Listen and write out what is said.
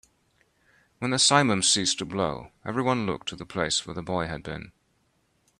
When the simum ceased to blow, everyone looked to the place where the boy had been.